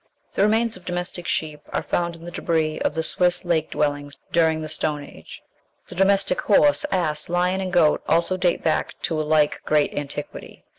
The remains of domestic sheep are found in the debris of the Swiss lake dwellings during the Stone Age. The domestic horse, ass, lion, and goat also date back to a like great antiquity.